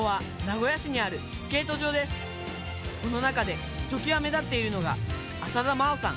この中でひときわ目立っているのが浅田真央さん。